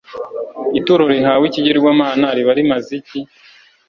ituro rihawe ikigirwamana riba rimaze iki